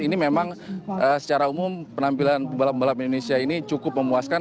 ini memang secara umum penampilan pembalap pembalap indonesia ini cukup memuaskan